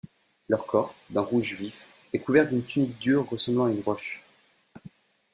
Leur corps, d'un rouge vif, est couvert d'une tunique dure ressemblant à une roche.